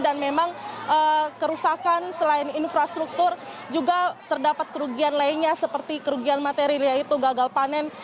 dan memang kerusakan selain infrastruktur juga terdapat kerugian lainnya seperti kerugian materi yaitu gagal panen